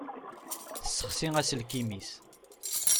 Tessexsi aselkim-is.